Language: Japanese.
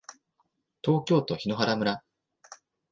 東京都檜原村